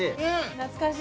懐かしい？